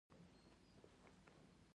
د روغتون ډاکټر وویل: دی ټوکې کوي.